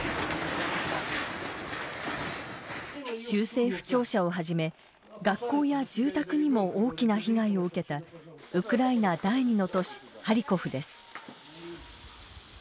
州政府庁舎をはじめ学校や住宅にも大きな被害を受けたウクライナ第２の都市ハリコフです。